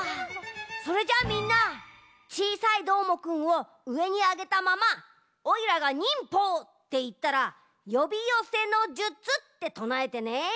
それじゃあみんなちいさいどーもくんをうえにあげたままオイラが「忍法」っていったら「よびよせの術」ってとなえてね。